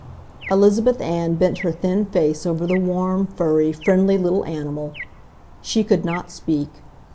Elizabeth Ann bent her thin face over the warm, furry, friendly little animal. She could not speak.